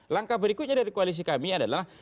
langkah berikutnya dari koalisi kami adalah